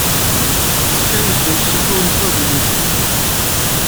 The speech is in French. Strange réussit encore une fois à déjouer ses plans.